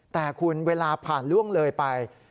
แต่คุณเวลาผ่านล่วงเลยไป